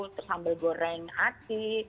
terus sambal goreng ati